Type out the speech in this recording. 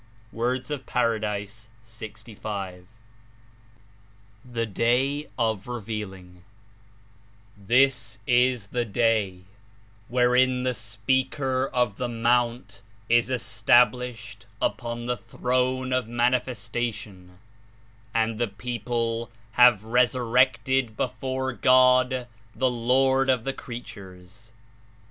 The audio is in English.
(TV. of P. 65.) THE DAY OF REVEALING "This Is the Day wherein the Speaker of the Mount Is established upon the Throne of Manifestation, and 81 the people have resurrected before God, the Lord of the creatures.